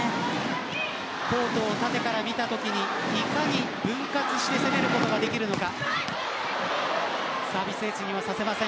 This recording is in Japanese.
縦から見たときにいかに分割して攻めることができるのか。